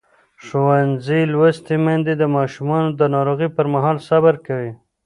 ښوونځې لوستې میندې د ماشومانو د ناروغۍ پر مهال صبر کوي.